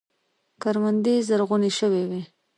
کروندې زرغونې شوې وې.